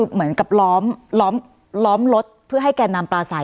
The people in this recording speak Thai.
เหมือนกับร้อมรถให้แกนนำปลาใส